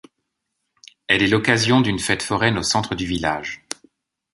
Elle est l'occasion d'une fête foraine au centre du village.